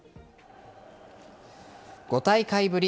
５大会ぶり